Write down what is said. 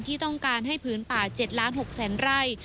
ที่ต้องการให้ผืนป่า๗ล้าน๖แสนไร่